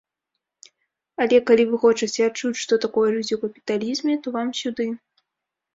Але калі вы хочаце адчуць, што такое жыць у капіталізме, то вам сюды!